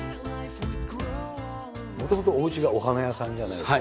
もともとおうちがお花屋さんじゃないですか。